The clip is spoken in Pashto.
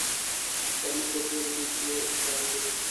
پر مخ يې تورې ليکې ښکارېدلې.